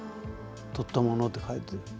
撮ったものって書いて。